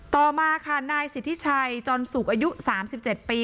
ต่อมาค่ะนายสิทธิชัยจอนสุกอายุ๓๗ปี